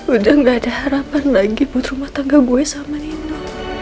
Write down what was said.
udah gak ada harapan lagi buat rumah tangga buy sama nino